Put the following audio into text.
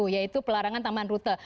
yaitu pelarangan tambahan rute